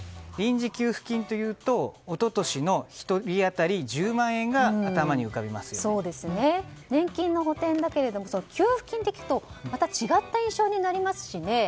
臨時給付金というと一昨年の１人当たり１０万円が年金の補てんだけれども給付金と聞くとまた違った印象になりますしね。